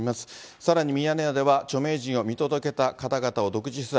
さらにミヤネ屋では、著名人を見届けた方々を独自取材。